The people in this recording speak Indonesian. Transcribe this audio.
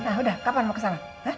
nah udah kapan mau ke sana